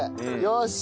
よし！